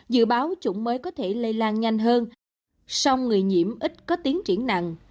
dự báo chủng mới có thể lây lan nhanh hơn song người nhiễm ít có tiến triển nặng